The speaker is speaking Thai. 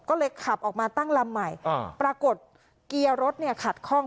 ก็เลยขับออกมาตั้งลำใหม่อ่าปรากฏเกียร์รถเนี่ยขัดคล่อง